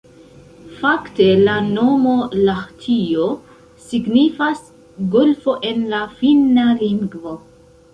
Fakte la nomo Lahtio signifas golfo en la finna lingvo.